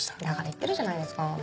だから言ってるじゃないですか。